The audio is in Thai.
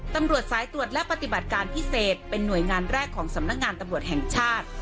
ตำรวจสายตรวจและปฏิบัติการพิเศษเป็นหน่วยงานแรกของสำนักงานตำรวจแห่งชาติ